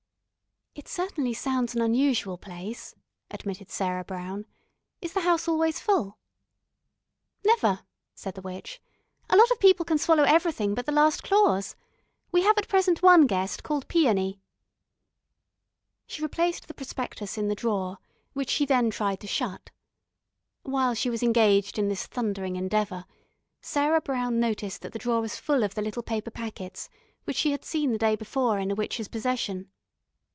"It certainly sounds an unusual place," admitted Sarah Brown. "Is the house always full?" "Never," said the witch. "A lot of people can swallow everything but the last clause. We have at present one guest, called Peony." She replaced the prospectus in the drawer, which she then tried to shut. While she was engaged in this thundering endeavour, Sarah Brown noticed that the drawer was full of the little paper packets which she had seen the day before in the witch's possession.